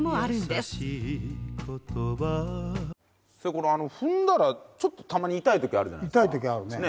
これ踏んだらちょっとたまに痛い時あるじゃないですか。